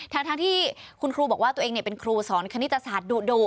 ทั้งที่คุณครูบอกว่าตัวเองเป็นครูสอนคณิตศาสตร์ดุ